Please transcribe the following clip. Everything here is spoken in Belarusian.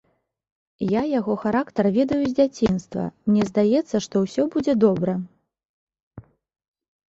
Я яго характар ведаю з дзяцінства, мне здаецца, што ўсё будзе добра.